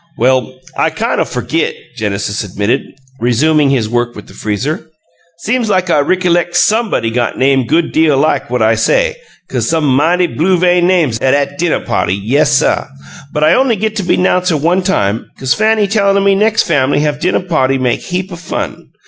"Well, I kine o' fergit," Genesis admitted, resuming his work with the freezer. "Seem like I rickalect SOMEBODY got name good deal like what I say, 'cause some mighty blue vein names at 'at dinnuh potty, yessuh! But I on'y git to be 'nouncer one time, 'cause Fanny tellin' me nex' fam'ly have dinnuh potty make heap o' fun.